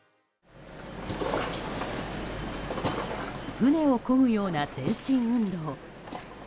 船をこぐような全身運動。